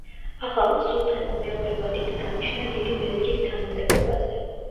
ახალმა სულთანმა მეორე ვადით დანიშნა დიდი ვეზირის თანამდებობაზე.